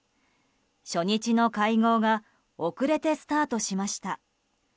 初日の会合が遅れてスタートしました。